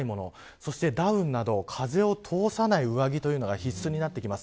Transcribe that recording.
そしてダウンなど風を通さない上着が必須になってきます。